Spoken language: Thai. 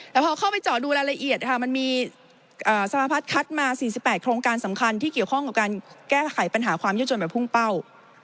แต่พอเข้าไปเจาะดูรายละเอียดค่ะมันมีสภาพัฒน์คัดมา๔๘โครงการสำคัญที่เกี่ยวข้องกับการแก้ไขปัญหาความยุดจนแบบพุ่งเป้า